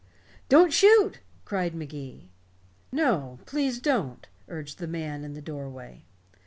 "Don't shoot," cried Magee. "No, please don't," urged the man in the doorway.